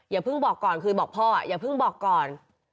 อย่าเพิ่งบอกก่อนเคยบอกพ่ออย่าเพิ่งบอกก่อน